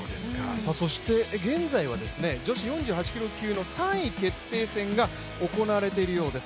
そして現在は女子４８キロ級の３位決定戦が行われているようです